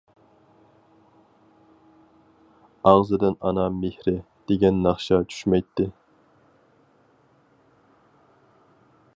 ئاغزىدىن «ئانا مېھرى» دېگەن ناخشا چۈشمەيتتى.